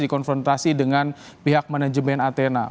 dikonfrontasi dengan pihak manajemen athena